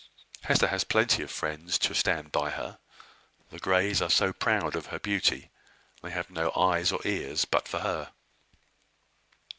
Hester has plenty of friends to stand by her. The Greys are so proud of her beauty, they have no eyes or ears but for her.